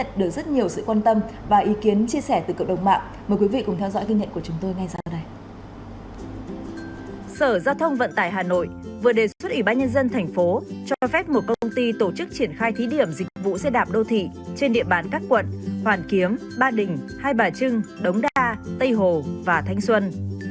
tổ chức ủy ban nhân dân thành phố cho phép một công ty tổ chức triển khai thí điểm dịch vụ xe đạp đô thị trên địa bán các quận hoàn kiếm ba định hai bà trưng đống đa tây hồ và thanh xuân